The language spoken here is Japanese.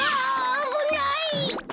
あぶない。